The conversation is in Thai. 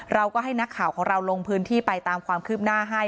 เราก็ให้นักข่าวของเราลงพื้นที่ไปตามความคืบหน้าให้